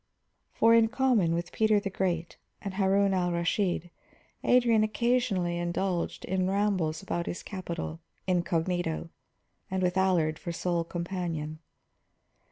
For, in common with Peter the Great and Harun al Rashid, Adrian occasionally indulged in rambles about his capital, incognito, and with Allard for sole companion.